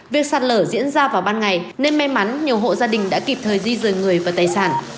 việc sạt lở diễn ra vào ban ngày nên may mắn nhiều hộ gia đình đã kịp thời di rời người và tài sản